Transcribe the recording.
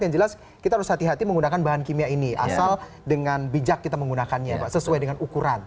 yang jelas kita harus hati hati menggunakan bahan kimia ini asal dengan bijak kita menggunakannya pak sesuai dengan ukuran